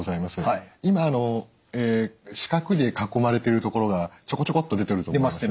今四角で囲まれている所がちょこちょこっと出てると思います。